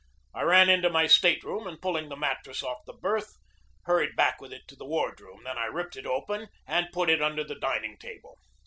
I ran into my state room, and pulling the mattress off the berth hurried back with it to the wardroom. Then I ripped it open and put it under the dining table.